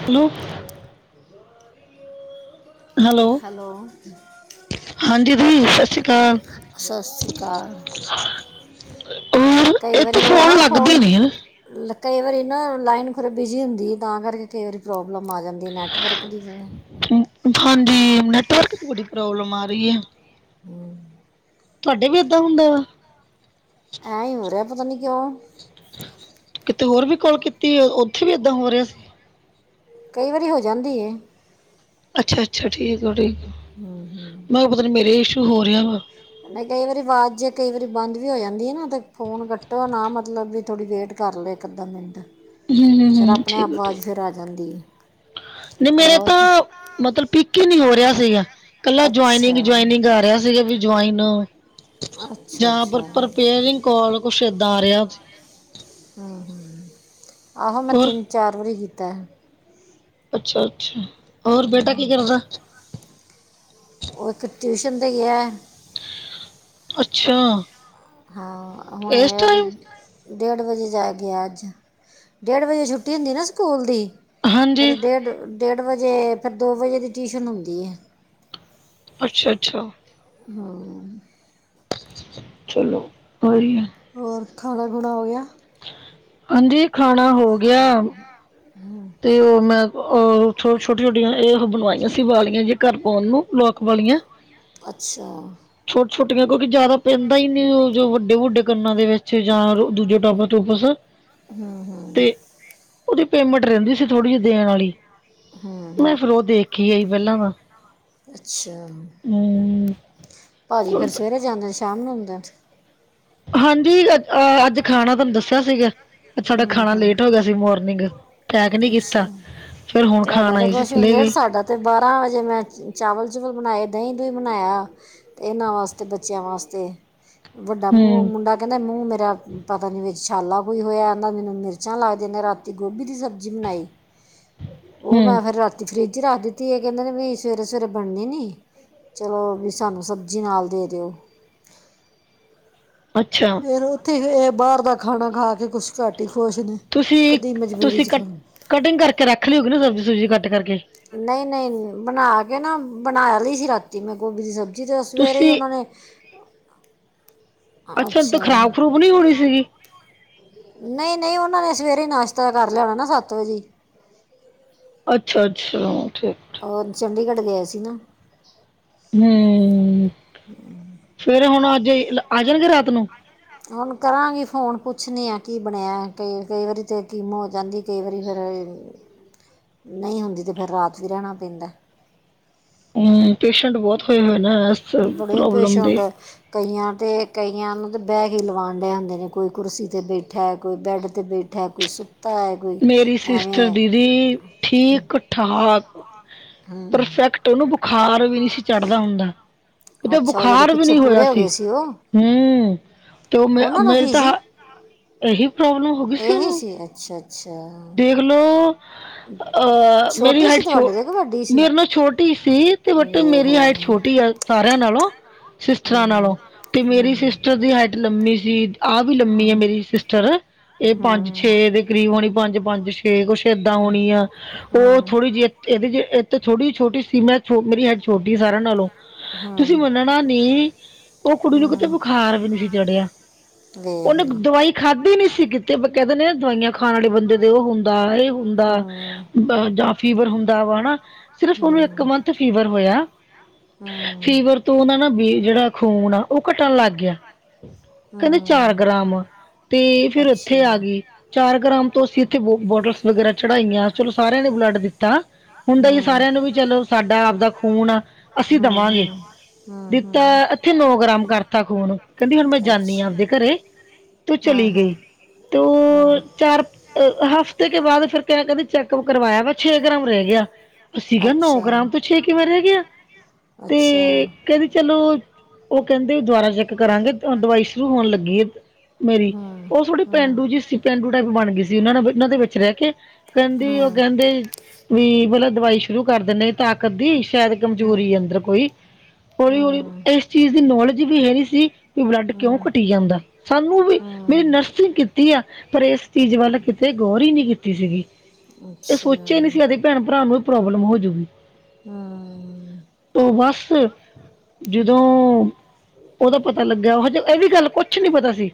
ਹਿਲੋ hello hello ਹਾਂਜੀ ਦੀ ਸ਼ਸ਼ਰੀਕਾਲ। ਸਾਸਰੀਕਾਲ। ਹਾਂ [inaudible] ਕਈ ਵਾਰੀ ਓ ਨਾ ਲੱਗਦੇ ਫੋਨ ਨਹੀਂ ਹੈ। ਕਈ ਵਾਰੀ ਨਾ ਲਾਈਨ ਫੇਰ ਬਿਜੀ ਹੁੰਦੀ ਏ ਤਾਂ ਕਰਕੇ ਫੇਰ ਪ੍ਰੋਬਲਮ ਆ ਜਾਂਦੀ ਨੈੱਟਵਰਕ ਦੀ ਏ। ਹਾਂਜੀ, ਮੈ ਕਿਆ [unintelligible] ਨੈਟ ਦੀ ਪ੍ਰੋਬਲਮ ਆ ਰਈ ਏ। ਹਮ [inaudible] ਤਾਡੇ ਵੀ ਏਦਾਂ ਹੁੰਦਾ ਵਾ? ਐਂ ਈ ਹੋ ਰਿਆ ਪਤਾ ਨੀ ਕਿਉਂ? ਕਿਤੇ ਹੋਰ ਵੀ ਕਾੱਲ ਕੀਤੀ ਏ ਓਥੇ ਵੀ ਏਦਾਂ ਹੋ ਰਿਆ ਸੀ? ਕਈ ਵਾਰੀ ਹੋ ਜਾਂਦੀ ਏ। ਅੱਛਾ, ਅੱਛਾ ਠੀਕ ਆ, ਠੀਕ ਆ ਹੂੰ ਹੂੰ ਮੈਂ ਕਿਆ ਪਤਾ ਨੀ ਮੇਰੇ ਇਸ਼ੂ ਹੋ ਰਿਆ ਵਾ। ਐ ਕਈ ਵਾਰੀ ਆਵਾਜ਼ ਜੇ ਕਈ ਵਾਰੀ ਬੰਦ ਵੀ ਹੋ ਜਾਂਦੀ ਏ ਨਾ ਤੇ ਫੋਨ ਕੱਟੋ ਨਾ ਮਤਲਬ ਵੀ ਥੋੜ੍ਹੀ ਵੇਟ ਕਰ ਲੋ ਇੱਕ ਅੱਧਾ ਮਿੰਟ ਹਮ ਹਮ ਫਿਰ ਹਮ ਆਪਣੇ ਆਪ ਠੀਕ ਆਵਾਜ਼ ਫੇਰ ਆ ਜਾਂਦੀ ਐ। ਨਈ ਮੇਰੇ ਤਾਂ ਮਤਲ ਪਿਕ ਈ ਨੀ ਹੋ ਰਿਆ ਸੀਗਾ। ਕੱਲਾ ਜੁਆਇਨਿੰਗ ਅੱਛਾ ਜੁਆਇਨਿੰਗ ਆ ਰਿਹਾ ਸੀਗਾ ਵੀ ਜੁਆਇਨ। ਅੱਛਾ ਜਾਂ ਪਰ ਅੱਛਾ ਪਰਪੇਅਰਿੰਗ ਕਾੱਲ ਕੁਛ ਏਦਾਂ ਆ ਰਿਆ ਸੀ। ਹੁੰ, ਹੁੰ ਆਹੋ ਮੈਂ ਹੋਰ ਤਿੰਨ ਚਾਰ ਵਾਰੀ ਕੀਤਾ ਏਹ। ਅੱਛਾ, ਅੱਛਾ ਔਰ ਬੇਟਾ ਕੀ ਕਰਦਾ? ਔ ਇੱਕ ਟਿਊਸ਼ਨ 'ਤੇ ਗਿਆ ਏ ਅੱਛਾ। ਹਾਂ ਹੁਣ ਇਸ ਆਇਆ ਤੇ ਟਾਈਮ ਡੇਢ ਵਜੇ ਜਾ ਕੇ ਅੱਜ ਡੇਢ ਵਜੇ ਛੁੱਟੀ ਹੁੰਦੀ ਨਾ ਸਕੂਲ ਦੀ। ਹਾਂਜੀ ਫਿਰ ਡੇਢ, ਡੇਢ ਵਜੇ ਫਿਰ ਦੋ ਵਜੇ ਦੀ ਟਿਊਸ਼ਨ ਹੁੰਦੀ ਐ। ਅੱਛਾ ਅੱਛਾ ਹਾਂ ਚਲੋ ਭਾਈ ਹੋਰ ਖਾਣਾ ਖੁਣਾ ਹੋ ਗਿਆ? ਹਾਂਜੀ, ਖਾਣਾ ਹੋ ਗਿਆ। ਹੁੰ ਤੇ ਓ ਮੈਂ ਓ ਛੋਟੀਆਂ ਛੋਟੀਆਂ ਇਹ ਬਣਵਾਈਆਂ ਸੀ ਵਾਲੀਆਂ ਜੀ ਘਰ ਪਾਣ ਨੂੰ ਲੋਕ ਵਾਲੀਆਂ। ਅੱਛਾ ਛੋਟ, ਛੋਟੀਆਂ ਕਿਉਂਕਿ ਜ਼ਿਆਦਾ ਪੈਂਦਾ ਈ ਨਈ ਜੋ ਵੱਡੇ, ਵੱਡੇ ਕੰਨਾਂ ਦੇ ਵਿੱਚ ਜਾਂ ਦੂਜੇ ਟੋਪ ਟੌਪਸ ਹੁੰ ਹੁੰ ਓਦੀ ਪੇਮੈਂਟ ਰੈਂਦੀ ਸੀ ਥੋੜ੍ਹੀ ਜਿ ਦੇਣ ਆਲੀ ਮੈਂ ਫੇਰ ਓ ਦੇਖੇ ਆਈ ਪੈਲਾਂ ਤਾਂ। ਅੱਛਾ ਹੁੰ ਭਾਜੀ, ਫੇਰ ਸਵੇਰੇ ਜਾਨੇ, ਸ਼ਾਮ ਨੂੰ ਹੁੰਦਾ। ਹਾਂਜੀ, ਅ ਅੱਜ ਖਾਣਾ, ਤਾਨੂੰ ਦੱਸਿਆ ਸੀਗਾ, ਸਾਡਾ ਹੂੰ ਖਾਣਾ ਹੂੰ ਲੇਟ ਹੋ ਗਿਆ ਸੀ। ਮੋਰਨਿੰਗ ਪੈਕ ਨੀ ਕੀਤਾ। ਅੱਛਾ ਫੇਰ ਹੁਣ ਖਾਣ ਤੁਹਾਡਾ ਤਾਂ ਆਏ ਸੀ, ਕੁਛ ਵੀ ਨਹੀਂ ਚਲੇ ਲੇਟ ਗਏ। ਸਾਡਾ ਤੇ ਬਾਰ੍ਹਾਂ ਵਜੇ ਮੈਂ ਚਾਵਲ-ਚੁਵਲ ਬਣਾਏ, ਦਈ ਦੁਈ ਬਣਾਇਆ। ਏਨਾਂ ਵਾਸਤੇ, ਬੱਚਿਆਂ ਵਾਸਤੇ, ਵੱਡਾ ਮੂੰ ਹੂੰ ਮੁੰਡਾ ਕੈਂਹਦਾ, ਮੂੰ ਮੇਰਾ ਪਤਾ ਨੀਂ, ਵਿਚ ਛਾਲਾ ਕੋਈ ਹੋਇਆ। ਅਨਾਨੂੰ ਮਿਰਚਾਂ ਲੱਗਦਿਆਂ ਨੇ, ਮੈਂ ਰਾਤੀ ਗੋਭੀ ਦੀ ਸਬਜ਼ੀ ਬਣਾਈ। ਔ ਹੂੰ ਮੈਂ ਫੇਰ ਰਾਤੀ ਫਰਿੱਜ ਚ ਰੱਖ ਦਿੱਤੀ, ਏ ਕੈਂਹਦੇ ਨੇ ਬੀ ਸਵੇਰੇ-ਸਵੇਰੇ ਬਣਨੀ ਨੀ। ਚਲੋ, ਵੀ ਸਾਨੂੰ ਸਬਜ਼ੀ ਨਾਲ ਦੇ ਦੇਔ। ਅੱਛਾ। ਫੇਰ ਔਥੇ ਗਏ, ਏ ਬਾਹਰ ਦਾ ਖਾਣਾ ਖਾ ਕੇ ਕੁਛ ਘੱਟ ਹੀ ਖੁਸ਼ ਨੇ, ਤੁਸੀਂ ਕਦੀ ਮਜ਼ਬੂਰੀ ਤੁਸੀਂ 'ਚ ਕੱਟ ਖਾਣਾ ਕਟਿੰਗ ਕਰਕੇ ਰੱਖ ਲੀ ਹੋਗੀ ਨਾ, ਸਬਜ਼ੀ-ਸੁਬਜ਼ੀ ਕੱਟ ਕਰਕੇ ਨਈ-ਨਈ ਬਣਾ ਕੇ ਨਾ, ਬਣਾ ਲੀ ਸੀ, ਰਾਤੀ ਮੈਂ ਗੋਭੀ ਦੀ ਸਬਜ਼ੀ। ਜੀ ਜੀ ਸਵੇਰੇ ਈ, ਤੁਸੀਂ ਔਨਾਂ ਨੇ ਅੱਛਾ, ਤੇ ਔ ਖਰਾਬ-ਖਰੂਬ ਨੀ ਹੋਣੀ ਸੀਗੀ। ਨਈ-ਨਈ, ਔਨਾਂ ਨੇ ਸਵੇਰੇ ਈ ਨਾਸ਼ਤਾ ਕਰ ਲਿਆ ਹੋਣਾ ਨਾ, ਸੱਤ ਵਜੇ। ਅੱਛਾ-ਅੱਛਾ, ਠੀਕ। ਔਰ, ਚੰਡੀਗੜ੍ਹ ਗਏ ਸੀ ਨਾ। ਹੁੰ, ਫੇਰੇ ਹੁਣ ਅੱਜ, ਆ ਜਾਣਗੇ ਰਾਤ ਨੂੰ। ਹੁਣ ਕਰਾਂਗੀ ਫੋਨ ਪੁੱਛਣੀ ਆ, ਕੀ ਬਣਿਆ ਕਈ-ਕਈ ਵਾਰੀ ਤੇ ਕਿਮੋ ਹੋ ਜਾਂਦੀ, ਕਈ ਵਾਰੀ ਫੇਰ ਨਈ ਹੁੰਦੀ, ਤੇ ਫੇਰ ਰਾਤ ਵੀ ਰੈਣਾ ਪੈਂਦਾ। ਹੁੰ, ਪੇਸ਼ੈਂਟ ਬੋਤ ਹੋਯੇ ਹੋਏ ਨੇ, ਐਸ ਬੜੇ ਪ੍ਰੋਬਲਮ ਪੇਸ਼ੈਂਟ ਦੇ। ਕਈਆਂ ਤੇ ਕਈਆਂ ਨੂੰ ਤੇ ਬੈ ਕੇ ਹੀ ਲਵਾਉਣ ਦੇ ਹੁੰਦੇ ਨੇ। ਕੋਈ ਕੁਰਸੀ 'ਤੇ ਬੈਠਾ ਕੋਈ ਬੈੱਡ 'ਤੇ ਬੈਠ ਬੈਠਾ ਐ, ਕੋਈ ਸੁੱਤਾ ਐ। ਮੇਰੀ ਸਿਸਟਰ ਦੀਦੀ ਠੀਕ-ਠਾਕ, ਹਮ ਪਰਫੈਕਟ ਤੇ ਔਨੂੰ ਬੁਖਾਰ ਵੀ ਨੀ ਸੀ ਚੜ੍ਹਦਾ ਹੁੰਦਾ, ਕਿਤੇ ਅੱਛਾ ਉਹ ਜਿਹੜੇ ਬੁਖਾਰ ਵੀ ਪਿੱਛੇ ਨੀ ਹੋਇਆ ਪੂਰੇ ਹੋ ਸੀ। ਗਏ ਉਹ ਹੁੰ, ਤੇ ਔ ਮੇ ਉਹਨਾਂ ਨੂੰ ਮੇਰੀ ਕੀ ਤਾਂ, ਸੀ ਏਹੀ ਪ੍ਰੋਬਲਮ ਹੋ ਗੀ ਸੀ, ਔਨੂੰ। ਅੱਛਾ-ਅੱਛਾ। ਦੇਖ ਲੋ। ਅ, ਮੇਰੀ ਛੋਟੀ ਸੀ ਹਾਈਟ ਛੋ, ਤੁਹਾਡੇ ਤੋਂ ਕਿ ਵੱਡੀ ਸੀ ਮੇਰੇ ਨਾਲ ਛੋਟੀ ਸੀ, ਤੇ ਬਟ ਵੇਖ ਮੇਰੀ ਲੈ ਹਾਈਟ ਹੂੰ ਛੋਟੀ ਆ। ਸਾਰੇਆਂ ਨਾਲੋਂ, ਸਿਸਟਰਾਂ ਨਾਲੋਂ। ਹੂੰ ਤੇ ਮੇਰੀ ਹੂੰ ਸਿਸਟਰ ਦੀ ਹਾਈਟ ਲੰਮੀ ਸੀ, ਆਹ ਵੀ ਲੰਮੀ ਆ, ਹੂੰ ਮੇਰੀ ਸਿਸਟਰ। ਏ ਪੰਜ-ਛੇ ਹੂੰ ਦੇ ਕਰੀਬ ਹੋਣੀ। ਪੰਜ-ਪੰਜ, ਛੇ ਕੁੱਛ ਏਦਾਂ ਹੋਣੀ ਆ। ਔ ਥੋੜ੍ਹੀ ਜਿਹੀ। ਏਦੀ ਜੇ, ਏ ਤਾਂ ਛੋਟੀ-ਛੋਟੀ ਸੀ ਮੈਂ, ਮੇਰੀ ਹਾਈਟ ਛੋਟੀ ਐ ਸਾਰਿਆਂ ਨਾਲੋਂ। ਤੁਸੀਂ ਹੂੰ ਮੰਨਣਾ ਨੀ, ਔ ਕੁੜੀ ਨੂੰ ਕਿਤੇ ਹੂੰ ਬੁਖਾਰ ਵੀ ਨੀ ਸੀ ਚੜਿਆ। ਵੇਖ ਔਨੇ ਲਾ ਦਵਾਈ ਖਾਧੀ ਨੀ ਸੀ ਕੀਤੇ, ਬੀ ਕੈਂਹਦੇ ਨੇ ਦਵਾਈਆਂ ਖਾਣ ਵਾਲੇ ਬੰਦੇ ਜਦੇ ਔ ਹੁੰਦਾ, ਏ ਹੁੰਦਾ ਹੂੰ ਜਾਂ ਫੀਵਰ ਹੁੰਦਾ ਵਾ ਹੈਨਾ। ਸਿਰਫ ਔਨੂੰ ਇੱਕ ਹੂੰ ਮੰਥ ਫੀਵਰ ਹੋਇਆ। ਹੂੰ ਫੀਵਰ ਤੋਂ ਔਨਾਂ ਨਾ ਬੀ ਜੇੜਾ ਖੂਨ ਆ, ਔ ਘਟਣ ਲੱਗ ਗਿਆ। ਕੈਂਹਦੇ ਚਾਰ ਹੂੰ ਗ੍ਰਾਮ, ਤੇ ਫੇਰ ਅੱਛਾ ਏੱਥੇ ਆ ਗੀ, ਚਾਰ ਗ੍ਰਾਮ ਤੋਂ ਅਸੀਂ ਇੱਥੇ ਬ ਬੋਟਲਸ ਵਗੈਰਾ ਚੜ੍ਹਾਈਆਂ, ਚਲੋ, ਸਾਰਿਆਂ ਨੇ ਬਲੱਡ ਦਿੱਤਾ। ਹੁੰਦਾ ਈ ਐ ਹੂੰ ਸਾਰਿਆਂ ਨੂੰ, ਵੀ ਚਲੋ ਸਾਡਾ ਆਪਦਾ ਖੂਨ ਆ, ਅਸੀਂ ਹੂੰ ਦਵਾਂਗੇ। ਹੂੰ ਹੂੰ ਦਿੱਤਾ, ਹੂੰ ਅਥੇ ਨੌ ਗ੍ਰਾਮ ਕਰਤਾ ਖੂਨ, ਕੈੰਹਦੀ ਹੁਣ ਮੈਂ ਜਾਂਨੀ ਆਂ ਅੱਛਾ ਆਪਦੇ ਘਰੇ। ਤੇ ਹਾਂ ਚਲੀ ਹਾਂ ਗਈ, ਤੇ ਹਾਂ ਔ ਚਾਰ ਹਫ਼ਤੇ ਕੇ ਬਾੱਦ ਫਿਰ ਕ ਕੈੰਹਦੇ, ਚੈੱਕਅਪ ਕਰਵਾਇਆ ਵਾ, ਛੇ ਗ੍ਰਾਮ ਰੈ ਗਿਆ। ਅਸੀ ਕਿਆ ਨੌ ਅੱਛਾ ਗ੍ਰਾਮ ਤੋਂ ਛੇ ਕਿਵੇ ਰੈ ਗਿਆ। ਤੇ ਅੱਛਾ ਕੈਂਹਦੇ ਚਲੋ, ਔ ਕੈਂਹਦੇ ਦੁਵਾਰਾ ਚੈੱਕ ਕਰਾਂਗੇ, ਦਵਾਈ ਸ਼ੁਰੂ ਹੋਣ ਲੱਗੀ ਐ। ਮੇਰੀ ਹੂੰ ਔ ਥੋੜੀ ਹੂੰ ਪੇਂਡੂ ਜਿ ਸੀ। ਪੇਂਡੂ ਟੈਈਪ ਬਣ ਗੀ ਸੀ, ਉਨਾਂ ਨੇ ਉਨਾਂ ਦੇ ਵਿੱਚ ਰੈ ਕੇ ਕੈਂਹਦੀ, ਔ ਹੂੰ ਕੈਂਹਦੇ ਵੀ ਪਹਿਲਾਂ ਦਵਾਈ ਸ਼ੁਰੂ ਕਰ ਦਿੰਨੇ ਤਾਂ ਕੱਧੀ, ਸ਼ੈਯਦ ਹੂੰ ਕਮਜ਼ੋਰੀ ਅੰਦਰ ਕੋਈ, ਹੌਲੀ-ਹੌਲੀ ਹੂੰ ਇਸ ਚੀਜ਼ ਦੀ ਨੌਲੇਜ ਵੀ ਹੈਗੀ ਸੀ। ਵੀ ਬਲੱਡ ਕਿਉਂ ਹੂੰ ਘਟੀ ਜਾਂਦਾ ਸਾਨੂੰ ਵੀ ਹੂੰ ਮੈ ਨਰਸਿੰਗ ਕੀਤੀ ਆ ਪਰ ਇਸ ਚੀਜ਼ ਵੱਲ ਕਿਤੇ ਗੌਰ ਹੀ ਨਹੀ ਕੀਤੀ ਸੀਗੀ ਇਹ ਅੱਛਾ ਸੋਚਿਆ ਨਹੀਂ ਸੀ ਕਦੀ ਭੈਣ-ਭਰਾ ਨੂੰ ਵੀ ਪ੍ਰੋਬਲਮ ਹੋਜੂਗੀ। ਹਾਂ। ਤੋ ਬਸ ਜਦੋਂ ਉਹਦੋ ਪਤਾ ਲੱਗਿਆ, ਉਹ ਹਜੇ ਇਹ ਵੀ ਗੱਲ ਕੁਛ ਨੀ ਪਤਾ ਸੀ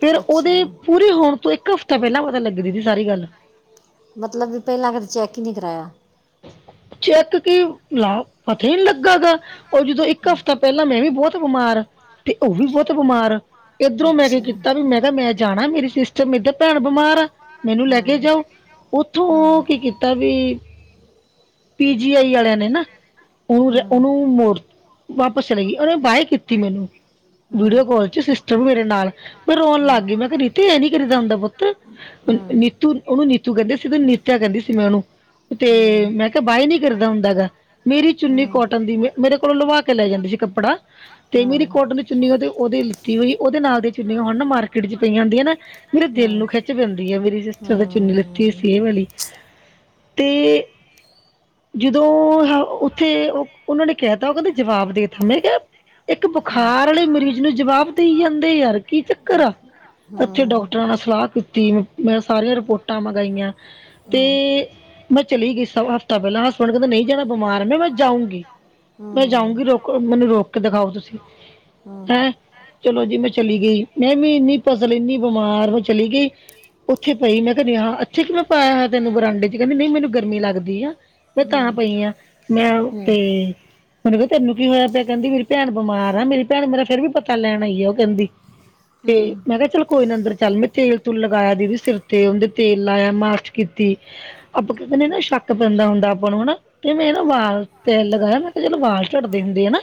ਫਿਰ ਅੱਛਾ ਉਹਦੇ ਹੋਣ ਤੋ ਇੱਕ ਹਫ਼ਤਾ ਪਹਿਲਾਂ ਪਤਾ ਲੱਗਦੀ ਸੀ ਸਾਰੀ ਗੱਲ। ਮਤਲਬ ਕਿ ਪਹਿਲਾਂ ਕਦੀ ਚੈੱਕ ਹੀ ਨਹੀਂ ਕਰਵਾਇਆ। ਚੈੱਕ ਕੇ ਲਾ ਪਤਾ ਹੀ ਨਹੀਂ ਲੱਗਾ ਗਾ ਉਹ ਜਦੋਂ ਇੱਕ ਹਫ਼ਤਾ ਪਹਿਲਾਂ ਮੈਂ ਵੀ ਬਹੁਤ ਬਿਮਾਰ ਤੇ ਉਹ ਵੀ ਬਹੁਤ ਬਿਮਾਰ ਇੱਧਰੋਂ ਮੈਂ ਕੀ ਅੱਛਾ ਹੂੰ ਕੀਤਾ ਵੀ ਮੈਂ ਮੈਂ ਜਾਣਾ ਮੇਰੀ ਸਿਸਟਰ ਮੇਰੀ ਤਾਂ ਭੈਣ ਬਿਮਾਰ ਆ ਮੈਨੂੰ ਲੈ ਕੇ ਹੂੰ ਜਾਓ ਉੱਥੋਂ ਹੂੰ ਉਹ ਕੀ ਕੀਤਾ ਤਾਵੀ ਪੀਜੀ ਆਈ ਵਾਲਿਆਂ ਨੇ ਨਾ ਉਹਨੂੰ ਹੂੰ ਉਹਨੂੰ ਮੋੜ ਵਾਪਸ ਚਲੇ ਗਈ ਉਹਨੇ ਬਾਏ ਕੀਤੀਂ ਕੀਤੀ ਮੈਨੂੰ ਹੂੰ ਹੂੰ ਵੀਡੀਓ ਕਾਲ। ਸਿਸਟਰ ਮੇਰੇ ਨਾਲ ਰੋਣ ਹੂੰ ਲੱਗ ਹੂੰ ਗਈ ਮੈਂ ਕਿਹਾ ਰਿਤੀ ਇਹ ਨੀ ਕਰੀਦਾ ਹੁੰਦਾ ਪੁੱਤ। ਹੂੰ ਹੂੰ ਨੀਤੂ ਉਹਨੂੰ ਨੀਤੂ ਕਹਿੰਦੇ ਸੀ ਤੇ ਨੀਚਾ ਕਹਿੰਦੀ ਸੀ ਮੈਂ ਉਹਨੂੰ ਤੇ ਹੂੰ ਹੂੰ ਹੂੰ ਹੂੰ ਮੈਂ ਹੂੰ ਬਾਈ ਨੀ ਕਰਦਾ ਹੁੰਦਾ ਹੈਗਾ ਮੇਰੀ ਚੁੰਨੀ ਕੋਟਨ ਦੀ ਮੇ ਮੇਰੇ ਕੋਲੋਂ ਲਵਾ ਕੇ ਲੈ ਜਾਂਦੀ ਸੀ ਕੱਪੜਾ ਤੇ ਹੂੰ ਮੇਰੀ ਕੋਟਨ ਚੁੰਨੀ ਉਹ ਤੇ ਉਹਦੀ ਲਿੱਤੀ ਹੋਈ ਉਹਦੇ ਨਾਲ ਦੀ ਚੁੰਨੀਆਂ ਹੁਣ ਮਾਰਕੀਟ ਚ ਪਈਆਂ ਹੁੰਦੀਆਂ ਨਾ ਮੇਰੇ ਦਿਲ ਨੂੰ ਖਿੱਚ ਪੈਂਦੀ ਹੈ ਮੇਰੀ ਸਿਸਟਰ ਦਾ ਚੁੰਨੀ ਲਿੱਤੀ ਸੀ ਇਹ ਵਾਲੀ। ਤੇ ਜਦੋਂ ਉੱਥੇ ਉਹ ਉਹਨਾਂ ਨੇ ਕਹਿ ਤਾ ਉਹ ਕਹਿੰਦੇ ਜਵਾਬ ਦੇਤਾ ਮੈਂ ਕਿਹਾ ਇੱਕ ਹੂੰ ਬੁਖਾਰ ਵਾਲੇ ਮਰੀਜ਼ ਨੂੰ ਜਵਾਬ ਦੇਈ ਜਾਂਦੇ ਯਾਰ ਕੀ ਚੱਕਰ ਆ ਉੱਥੇ ਡਾਕ ਟਰਾਂ ਨਾਲ ਸਲਾਹ ਕੀਤੀ ਮੈਂ ਸਾਰੀਆਂ ਰਿਪੋਰਟਾਂ ਮੰਗਾਈਆਂ। ਤੇ ਮੈਂ ਚਲੀ ਗਈ ਸ ਹਫ਼ਤਾ ਪਹਿਲਾਂ ਹਸਬੈਂਡ ਕਹਿੰਦਾ ਨਹੀਂ ਜਾਣਾ ਬਿਮਾਰ ਮੈ ਕਿਹਾ ਮੈਂ ਜਾਊਗੀ। ਮੈਂ ਜਾਊਗੀ ਰੋਕ ਮੈਨੂੰ ਰੋਕ ਕੇ ਦਿਖਾਓ ਤੁਸੀਂ। ਹੈਂ ਚਲੋ ਜੀ ਮੈਂ ਚਲੀ ਗਈ ਮੈਂ ਵੀ ਇੰਨੀ ਪਸਲ ਇੰਨੀ ਬਿਮਾਰ ਉਹ ਚਲੀ ਗਈ। ਉੱਥੇ ਪਈ ਮੈਂ ਕਹਦੀ ਹਾਂ ਇੱਥੇ ਕਿਵੇ ਪਾਇਆ ਤੈਨੂੰ ਬਰਾਂਡੇ ਚ ਕਹਿੰਦੀ ਨਹੀਂ ਮੈਨੂੰ ਗਰਮੀ ਲੱਗਦੀ ਆ। ਮੈਂ ਤਾਂ ਪਈ ਆ ਮੈਂ ਉਤੇ ਮੈਨੂੰ ਕਿਹਾ ਤੈਨੂੰ ਕੀ ਹੋਇਆ ਪਿਆ ਕਹਿੰਦੀ ਮੇਰੀ ਭੈਣ ਬੀਮਾਰ ਆ ਮੇਰੀ ਭੈਣ ਮੇਰਾ ਫਿਰ ਵੀ ਪਤਾ ਲੈਣ ਆਈ ਆ ਉਹ ਕਹਿੰਦੀ। ਇਹ ਤੇ ਹੂੰ ਮੈਂ ਕਿਹਾ ਚਲ ਕੋਈ ਨ ਅੰਦਰ ਚੱਲ ਮੈਂ ਤੇਲ-ਤੁਲ ਲਗਾਇਆ ਦੀਦੀ ਸਿਰ ਤੇ, ਉਹਦੇ ਤੇਲ ਲਾਇਆ ਮਾਲਸ਼ ਕੀਤੀ ਆਪਾ ਕਹਿੰਦੇ ਨੇ ਨਾ ਸ਼ੱਕ ਬੰਦਾ ਹੁੰਦਾ ਆਪਾਂ ਨੂੰ ਹੈਨਾ ਤੇ ਮੈਂ ਵਾਲ ਤੇਲ ਲਗਾਇਆ ਮੈਂ ਕਿਹਾ ਜਦੋਂ ਵਾਲ ਝਟਦੇ ਹੁੰਦੇ ਹੈਨਾ।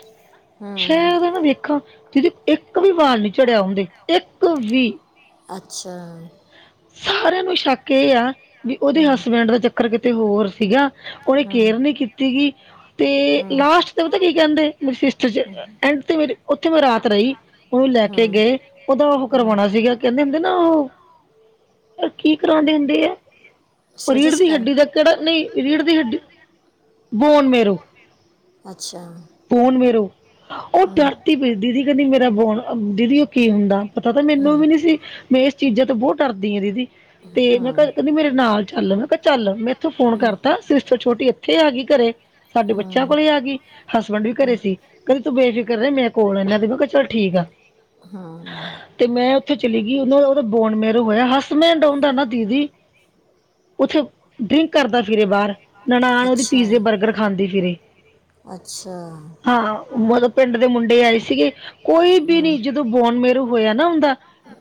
ਹੂੰ ਸ਼ਾਇਦ ਨਾ ਵੇਖਾ ਦੀਦੀ ਇੱਕ ਵੀ ਵਾਲ ਨਹੀਂ ਚੜਿਆ ਹੁੰਦੇ ਇੱਕ ਵੀ ਅੱਛਾ। ਸਾਰਿਆਂ ਨੂੰ ਸ਼ੱਕ ਇਹ ਆ ਵੀ ਉਹਦੇ ਹਸਬੈਂਡ ਦਾ ਚੱਕਰ ਕਿਤੇ ਹੋਰ ਸੀਗਾ। ਉਹਦੀ ਕੇਯਰ ਨਹੀਂ ਕੀਤੀ ਗੀ। ਤੇ ਲਾਸਟ ਤੇ ਪਤਾ ਕੀ ਕਹਿੰਦੇ ਮੇਰੀ ਸਿਸਟਰ ਚ ਐਂਡ ਤੇ ਮੇਰੀ ਉੱਥੇ ਮੈਂ ਰਾਤ ਰਹੀ। ਉਹੀ ਲੈ ਕੇ ਗਏ ਉਹਦਾ ਉਹ ਕਰਵਾਉਣਾ ਸੀਗਾ ਕਹਿੰਦੇ ਹੁੰਦੇ ਨਾ ਉਹ ਕੀ ਕਰਉਂਦੇ ਹੁੰਦੇ ਏ? ਰੀੜ ਦੀ ਹੱਡੀ ਦਾ ਕਿਹੜਾ ਨਹੀਂ ਰੀੜ ਦੀ ਹੱਡੀ, ਬੋਨ ਮੇਰੋ ਅੱਛਾ। ਬੋਨ ਮੈਰੋ ਉਹ ਡਰਤੀ ਬੇਜਦੀ ਸੀ। ਮੇਰਾ ਬੋਣ ਦੀਦੀ ਉਹ ਕੀ ਹੁੰਦਾ ਪਤਾ ਤਾਂ ਮੈਨੂੰ ਵੀ ਨੀ ਸੀ। ਮੈਂ ਇਸ ਚੀਜ਼ਾਂ ਤੇ ਬਹੁਤ ਡਰਦੀ ਹਾਂ ਦੀਦੀ। ਤੇ, ਮੈਂ ਕਿਆ ਕੈੰਦੀ ਮੇਰੇ ਨਾਲ ਚੱਲ, ਮੈਂ ਕਿਆ ਚੱਲ, ਮੈਂ ਇੱਥੋਂ ਫੋਨ ਕਰ ਤਾਂ, ਸਿਸ ਛੋਟੀ ਏਥੇ ਆ ਗਈ ਘਰੇ, ਸਾਡੇ ਬੱਚੇਆਂ ਕੋਲੇ ਆ ਗਈ। ਹਸਬੈਂਡ ਵੀ ਘਰੇ ਸੀ, ਕੈੰਦੇ ਤੂੰ ਬੇਫਿਕਰ ਰੈਹ ਮੈੰ ਕੋਲ ਆਂ ਇਨਾਂ ਦੇ, ਮੈੰ ਕਿਆ ਚਲ ਠੀਕ ਆ। ਹਾਂ, ਤੇ, ਮੈਂ ਓਥੇ ਚਲੀ ਗਈ, ਉਦਾ, ਓਦਾ ਬੋਨ ਮੈਰੋ ਹੋਏਆ, ਹਸਮੈਂਡ ਓਦਾ ਨਾ ਦੀਦੀ। ਉੱਥੇ, ਡਰਿੰਕ ਕਰਦਾ ਫਿਰੇ ਬਾਰ। ਨਨਾਣ ਓਦੀ ਪੀਜ਼ੇ ਬਰਗਰ ਖਾਂਦੀ ਫਿਰੇ, ਹਾਂ ਮਤਬ ਪਿੰਡ ਦੇ ਮੁੰਡੇ ਆਏ ਸੀਗੇ, ਕੋਈ ਵੀ ਨੀ, ਜਦੋਂ ਬੋਨ ਮੇਰੂ ਹੋਇਆ ਨਾ ਉਂਦਾ।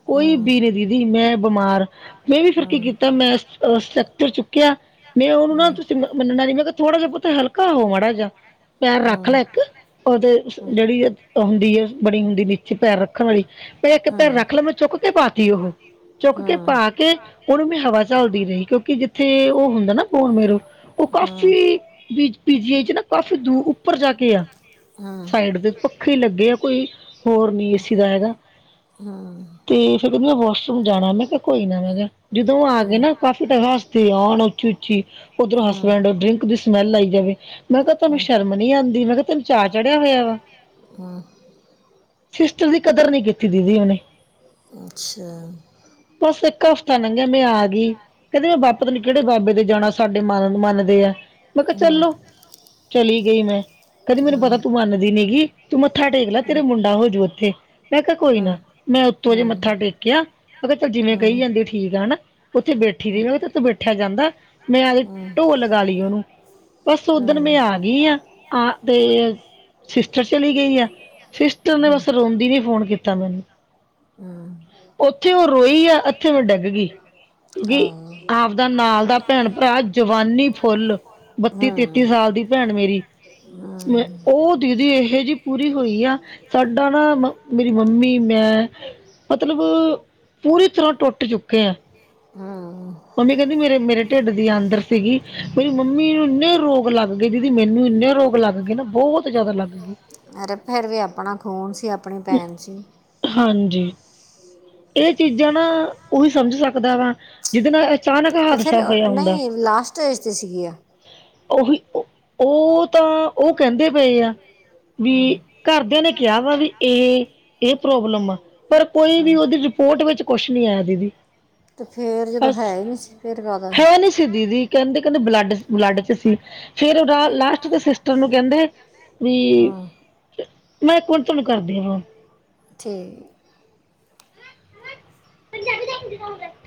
ਕੋਈ [unintelligible] ਦੀਦੀ ਮੈਂ ਬਮਾਰ ਆਂ। ਮੈਂ ਵੀ, ਫਿਰ ਕੀ ਕੀਤਾ, ਮੈਂ ਅ ਸੈਕਟਰ ਚੁੱਕਿਆ। ਮੈਂ ਓਨੂੰ ਨਾ ਤੁਸੀਂ ਮੰਨਣਾ ਨੀ, ਮੈਂ ਕਿਆ, ਥੋੜਾ ਜੇਆ ਪੁੱਤ ਹਲਕਾ ਹੋ ਮਾੜਾ ਜੇਆ, ਪੈਰ ਰੱਖ ਲੈ ਇੱਕ ਓਦੇ ਜੇਹੜੀ ਹੁੰਦੀ ਐ ਬਣੀ ਹੁੰਦੀ ਨੀਚੇ, ਪੈਰ ਰੱਖਣ ਵਾਲੀ ਤੇ ਇੱਕ ਪੈਰ ਰਖ ਲਵਾਂ, ਚੁੱਕ ਕੇ ਪਾਤੀ ਓਹ। ਚੁੱਕ ਕੇ ਪਾ ਕੇ, ਓਨੂੰ ਮੈਂ ਹਵਾ ਝੱਲਦੀ ਰਈ, ਕਿਉਂਕਿ ਜਿੱਥੇ ਓ ਹੁੰਦਾ ਨਾ ਔ ਮੇਰੋ, ਓ ਕਾਫੀ, ਬੀ, ਪੀ -ਜੀ -ਆਈ ਚ ਨਾ, ਕਾਫੀ ਦੂਰ ਉਪਰ ਜਾ ਕੇ ਆ। ਸਾਈਡ ਤੇ ਪੱਖੇ ਲੱਗੇ ਆ, ਕੋਈ ਹੋਰ ਨੀ ਏਸੀ ਦਾ ਹੈਗਾ। ਹਾਂ। ਤੇ ਫੇਰ ਕਹਿੰਦੀ ਮੈ ਵਾਸ਼ਰੂਮ ਜਾਣਾ ਮੈਂ ਕਿਆ ਕੋਈ ਨਾ ਮੈਂ ਕਿਆ ਜਦੋਂ ਆ ਗਏ ਨਾ ਕਾਫੀ ਟਾਈਮ ਹੱਸਦੇ ਆਉਣ ਉੱਚੀ- ਉੱਚੀ। ਉਧਰੋਂ, ਹਸਬੈਂਡ ਡਰਿੰਕ ਦੀ ਸਮੈਲ ਆਈ ਜਾਵੇ, ਮੈਂ ਕਿਆ ਤੈਨੂੰ ਸ਼ਰਮ ਨੀ ਆਂਦੀ, ਮੈਂ ਕਿਆ ਤੈਨੂੰ ਚਾਅ ਚੜਿਆ ਹੋਇਆ ਵਾ। ਹਾਂ। ਸਿਸਟਰ ਦੀ, ਕਦਰ ਨੀ ਕੀਤੀ ਦੀਦੀ ਓਨੇ। ਅੱਛਾ। ਬਸ ਇੱਕ ਹਫ਼ਤਾ ਲੰਘੇਆ ਮੈਂ ਆ ਗੀ। ਕੈੰਦੇ ਬਾਪ ਪਤਾ ਨ੍ਹੀ ਕੇਹੜੇ ਬਾਬੇ ਦੇ ਜਾਣਾ, ਸਾਡੇ ਮਨ ਮੰਨਦੇ ਆ, ਮੈਂ ਕਿਆ ਚੱਲੋ, ਚਲੀ ਗਈ ਮੈਂ। ਕੈੰਦੀ ਮੈਨੂੰ ਪਤਾ ਤੂੰ ਮੰਨਦੀ ਨੀ ਗੀ, ਤੂੰ ਮੱਥਾ ਟੇਕ ਲੈ ਤੇਰੇ ਮੁੰਡਾ ਹੋਜੂ ਉੱਥੇ। ਮੈਂ ਕਿਆ ਕੋਈ ਨਾ, ਮੈਂ ਉੱਤੋਂ ਜੇ ਮੱਥਾ ਟੇਕਿਆ। ਮੈੰ ਕਿਆ ਚਲ, ਜਿਵੇਂ ਕਈ ਜਾਂਦੇ ਆ, ਠੀਕ ਆ ਹੈਨਾ, ਤੇ ਉੱਥੇ ਬੈਠੀ ਰਈ ਮੈੰ ਕਿਆ, ਤੇਰੇ ਤੋੰ ਬੈਠਿਆ ਜਾਂਦਾ। ਮੈਂ ਆਵ ਦੇ ਢੋ ਲਗਾ ਲਈ ਓਨੂੰ। ਬਸ, ਓਧਣ ਮੈਂ ਆ ਗਈ ਆਂ, ਆ ਤੇ- ਸਿਸਟਰ ਚਲੀ ਗਈ ਐ, ਸਿਸਟਰ ਨੇ ਬਸ ਰੋਂਦੀ ਨੇ ਫੋਨ ਕੀਤਾ ਮੈਨੂੰ। ਹਮ ਓਥੇ ਓ ਰੋਈ ਆ, ਏਥੇ ਮੈਂ ਡਿੱਗ ਗਈ, ਕਿਉਂਕਿ ਆਪਦਾ ਨਾਲ ਦਾ ਭੈਣ, ਭਰਾ ਜਵਾਨੀ ਫੁੱਲ, ਬੱਤੀ -ਤੇਤੀ ਸਾਲ ਦੀ ਭੈਣ ਮੇਰੀ। ਮੈਂ ਹਮ ਓ ਦੀਦੀ ਇਹੋ ਜਿਹੀ ਪੂਰੀ ਹੋਈ ਆ। ਸਾਡਾ ਨਾ, ਮ ਮੇਰੀ ਮੰਮੀ ਮੈਂ। ਮਤਲਬ, ਪੂਰੀ ਤਰ੍ਹਾਂ ਟੁੱਟ ਚੁੱਕੇ ਐਂ। ਹਾਂ। ਮੰਮੀ ਕੈੰਦੀ, ਮੇਰੇ, ਮੇਰੇ ਢਿੱਡ ਦੀ ਆਂਦਰ ਸੀਗੀ, ਮੇਰੀ ਮੰਮੀ ਨੂੰ ਇੰਨੇ ਰੋਗ ਲੱਗ ਗਏ ਦੀਦੀ, ਮੈਨੂੰ ਇੰਨੇ ਰੋਗ ਲੱਗ ਲੱਗੇ ਨਾ, ਬਹੁਤ ਜਾਦਾ ਲੱਗ ਗਏ। ਅਰੇ ਫੇਰ ਵੀ ਆਪਣਾ ਖੂਨ ਸੀ, ਆਪਣੀ ਭੈਣ ਸੀ। ਹਾਂਜੀ, ਏਹ ਚੀਜਾਂ ਨਾ, ਓਹੀ ਸਮਝ ਸਕਦਾ ਵਾ ਜਿਦੇ ਨਾਲ। ਅਚਾਨਕ ਤੇ, ਫਿਰ ਹਾਦਸਾ ਹੋਇਆ ਹੁੰਦਾ ਨਈ ਲਾਸਟੇਜ 'ਤੇ ਸੀਗੀ ਆ। ਓਹੀ, ਓ ਤਾਂ ਓ ਕੈੰਦੇ ਪਏ ਐ। ਵੀ ਹਮ ਘਰਦਿਆਂ ਨੇ ਕਿਆ ਵਾ ਵੀ ਏਹ ਏ ਪ੍ਰੋਬਲਮ ਆ ਪਰ ਕੋਈ ਵੀ ਹਮ ਓਦੀ ਰਿਪੋਰਟ ਵਿੱਚ ਕੁਛ ਨੀ ਆਏਯਾ, ਦੀਦੀ। ਤੇ ਫੇਰ ਜਦੋਂ ਹੈ ਈ ਨੀ ਸੀ ਫੇਰ ਕਾਦਾ ਐ। ਮ ਨੀ ਸੀ ਦੀਦੀ। ਕੈਂਦੀ ਕੈਂਦੇ ਬਲੱਡ, ਬਲੱਡ 'ਚ ਸੀ। ਫੇਰ ਓਦਾ ਲਾਸਟ ਦੇ ਸਿਸਟਰ ਨੂੰ ਕੈਂਦੇ ਵੀ, ਹਮ ਮੈਂ ਪੌਂਚਨ ਨੂੰ ਕਰਦੀ ਆ ਫੋ ਠੀਕ ਏ। [unintelligible]